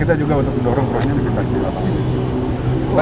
kita juga untuk mendorong soalnya dikendalikan